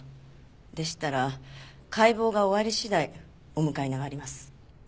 でしたら解剖が終わり次第お迎えに上がります。